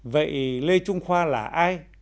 vậy lê trung khoa là ai